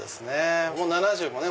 ７０もね